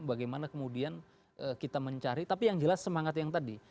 bagaimana kemudian kita mencari tapi yang jelas semangat yang tadi